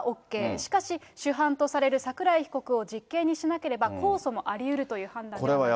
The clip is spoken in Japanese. しかし、主犯とされる桜井被告を実刑にしなければ、控訴もありうるという判断だったのではないか。